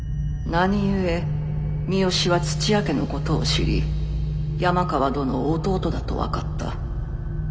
何故三好は土屋家のことを知り山川殿を弟だと分かった？